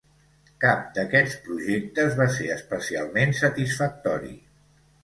Cap d'aquests projectes va ser especialment satisfactori.